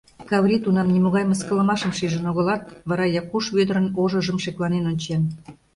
Каври тунам нимогай мыскылымашым шижын огылат, вара Якуш Вӧдырын ожыжым шекланен ончен.